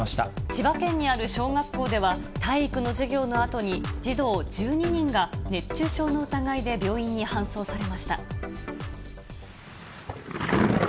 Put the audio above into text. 千葉県にある小学校では、体育の授業のあとに児童１２人が熱中症の疑いで病院に搬送されました。